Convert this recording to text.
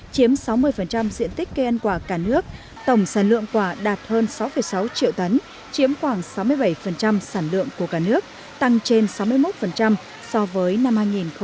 chiếm sáu mươi diện tích cây ăn quả cả nước tổng sản lượng quả đạt hơn sáu sáu triệu tấn chiếm khoảng sáu mươi bảy sản lượng của cả nước tăng trên sáu mươi một so với năm hai nghìn một mươi bảy